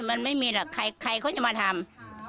มันไม่มีใครค่อยมาทำ